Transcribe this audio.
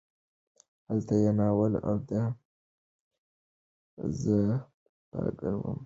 هلته یې ناول دا زه پاګل وم ولیکه.